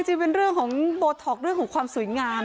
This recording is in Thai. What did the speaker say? จริงเป็นเรื่องของโบท็อกเรื่องของความสวยงาม